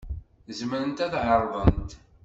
Zemrent ad ɛerḍent?